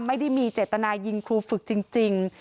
ไม่ได้มีเจตนายิงครูฝึกจริง